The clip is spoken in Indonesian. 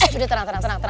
sudah tenang tenang